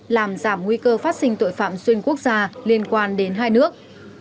làm giảm nguy cơ phát sinh tội phạm xuyên quốc gia liên quan đến hai nước